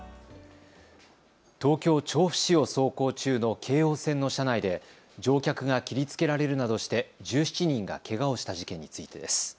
東京調布市を走行中の京王線の車内で乗客が切りつけられるなどして１７人がけがをした事件についてです。